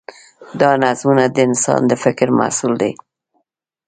دا نظمونه د انسان د فکر محصول دي.